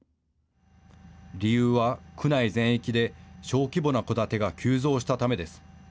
理由は区内全域で小規模な戸建てが急増したためです。